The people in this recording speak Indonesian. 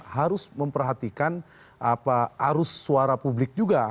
harus memperhatikan arus suara publik juga